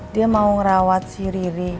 dia mau ngerawat si riri